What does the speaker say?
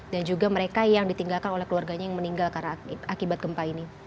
dan juga mereka yang ditinggalkan oleh keluarganya yang meninggal akibat gempa ini